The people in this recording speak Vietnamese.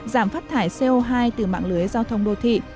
giảm phát thải co hai từ mạng lưới giao thông đô thị